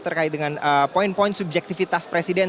terkait dengan poin poin subjektivitas presiden